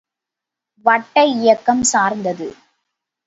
வட்ட இயக்கம் சார்ந்தது.